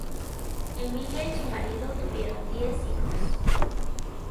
Emilia y su marido tuvieron diez hijos.